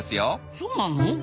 そうなの？